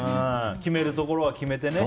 決めるところは決めてね。